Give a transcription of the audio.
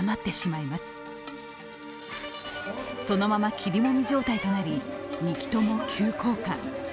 そのままきりもみ状態となり、２機とも急降下。